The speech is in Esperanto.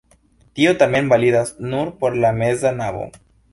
Tio tamen validas nur por la meza navo.